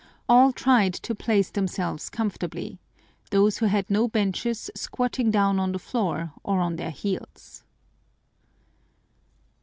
All tried to place themselves comfortably, those who had no benches squatting down on the floor or on their heels.